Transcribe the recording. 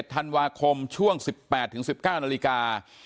ธันวาคมช่วง๑๘๑๙นาฬิกา